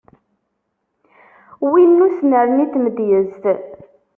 Win n usnerni n tmedyezt.